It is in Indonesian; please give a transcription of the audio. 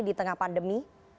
di tengah pandemi